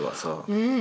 うん。